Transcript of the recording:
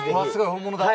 本物だ。